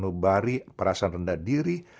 nubari perasaan rendah diri